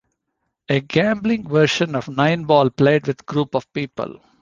A gambling version of nine-ball played with group of people.